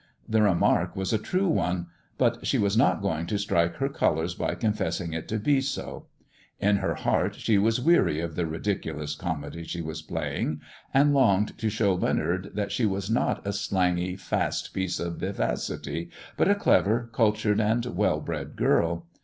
The remark was a true one, but she was not going to strike her colours by confessing it to be so. In her heart she was weary of the ridiculous comedy she was playing, and longed to show Leonard that she was not a 182 MISS JONATHAN slangy, fast piece of vivacity, but a clever, cultured, and well bred girl.